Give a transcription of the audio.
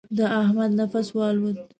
د احمد نفس والوت.